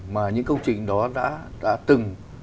mà những công trình đó đã từng